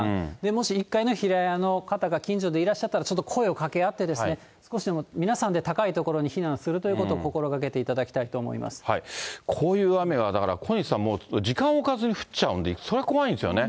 もし１階の平屋の方が近所でいらっしゃったら、ちょっと声を掛け合って、少しでも皆さんで高い所に避難するということを、心がけていただこういう雨はだから、小西さんもう、時間置かずに降っちゃうんで、それが怖いんですよね。